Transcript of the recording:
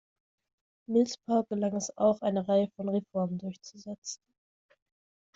Millspaugh gelang es auch eine Reihe von Reformen durchzusetzen.